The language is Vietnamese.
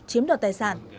chiếm đoạt tài sản